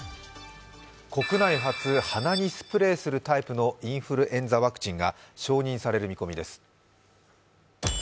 国内初鼻にスプレーするタイプのインフルエンザワクチンが承認される見込みです。